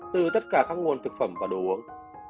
từ tất cả các nguồn thực phẩm và đồ uống